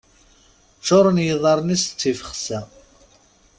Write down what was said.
Ččuren yiḍarren-is d tifexsa.